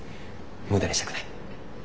無駄にしたくない。